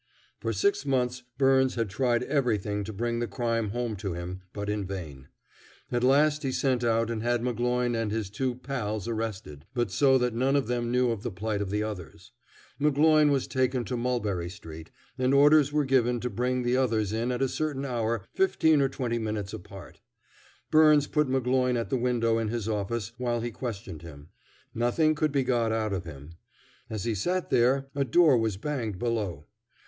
For six months Byrnes had tried everything to bring the crime home to him, but in vain. At last he sent out and had McGloin and his two "pals" arrested, but so that none of them knew of the plight of the others. McGloin was taken to Mulberry Street, and orders were given to bring the others in at a certain hour fifteen or twenty minutes apart. Byrnes put McGloin at the window in his office while he questioned him. Nothing could be got out of him. As he sat there a door was banged below.